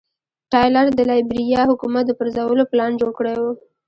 ټایلر د لایبیریا حکومت د پرځولو پلان جوړ کړی و.